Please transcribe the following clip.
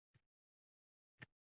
Voy... Voy bechora!